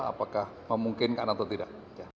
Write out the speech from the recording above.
apakah memungkinkan atau tidak